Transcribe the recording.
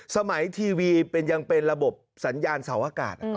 ทีวียังเป็นระบบสัญญาณเสาอากาศ